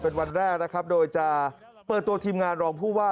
เป็นวันแรกนะครับโดยจะเปิดตัวทีมงานรองผู้ว่า